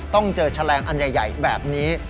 ต้องเจอแฉลงอันใหญ่แบบนี้